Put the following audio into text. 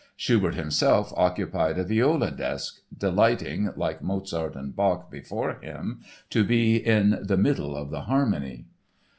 Schubert himself occupied a viola desk delighting, like Mozart and Bach before him, to be "in the middle of the harmony."